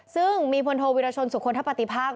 ซึ่งมีผลโทวิรชนสุขควรถ้าปฏิภาค